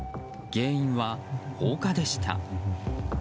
原因は放火でした。